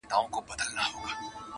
په خوی چنګېز یې په زړه سکندر یې!